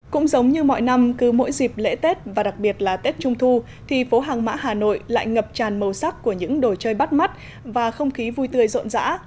cũng giống như mọi năm cứ mỗi dịp lễ tết và đặc biệt là tết trung thu thì phố hàng mã hà nội lại ngập tràn màu sắc của những đồ chơi bắt mắt và không khí vui tươi rộn rã